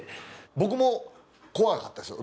僕も怖かったですよ。